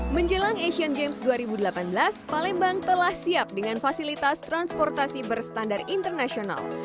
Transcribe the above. menjelang asian games dua ribu delapan belas palembang telah siap dengan fasilitas transportasi berstandar internasional